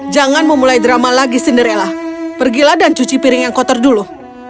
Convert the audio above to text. jangan memulai drama lagi cinderella pergilah dan cuci piring yang kotor dulu